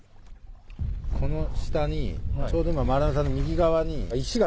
この下にちょうど今丸山さんの右側に石が。